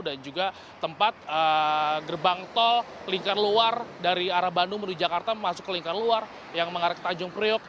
juga tempat gerbang tol lingkar luar dari arah bandung menuju jakarta masuk ke lingkar luar yang mengarah ke tanjung priok